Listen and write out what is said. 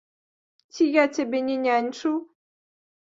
Ці я цябе не няньчыў?